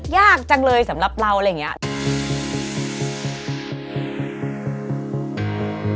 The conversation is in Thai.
ยากจังเลยสำหรับเราอะไรอย่างนี้